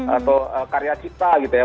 atau karya cipta gitu ya